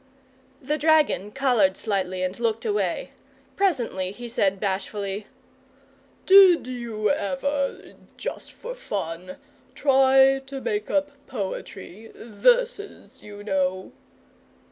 The dragon coloured slightly and looked away. Presently he said bashfully: "Did you ever just for fun try to make up poetry verses, you know?"